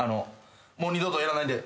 もう二度とやらないんで。